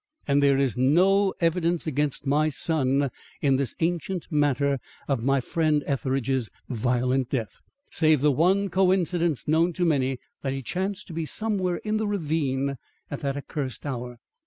And there is no evidence against my son in this ancient matter of my friend Etheridge's violent death, save the one coincidence known to many, that he chanced to be somewhere in the ravine at that accursed hour.